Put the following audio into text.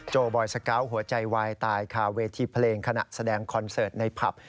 บอยสเกาะหัวใจวายตายคาเวทีเพลงขณะแสดงคอนเสิร์ตในผับ